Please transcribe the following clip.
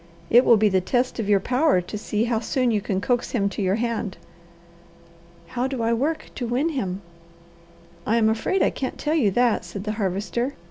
It will be the test of your power to see how soon you can coax him to your hand." "How do I work to win him?" "I am afraid I can't tell you that," said the Harvester.